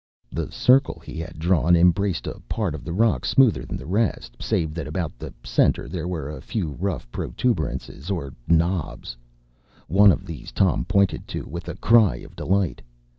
” The circle he had drawn embraced a part of the rock smoother than the rest, save that about the centre there were a few rough protuberances or knobs. One of these Tom pointed to with a cry of delight.